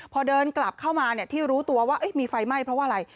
พอเดินกลับเข้ามาที่รู้ตัวว่ามีไฟไหม้เพราะว่าอะไร